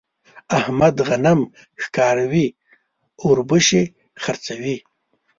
احمد غنم ښکاروي ـ اوربشې خرڅوي.